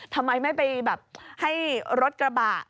ทำไมไม่ไปแบบให้รถกระบะ